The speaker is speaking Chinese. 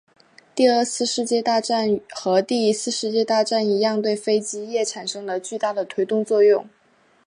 第二次世界大战和第一次世界大战一样对飞机业产生了巨大的推动作用。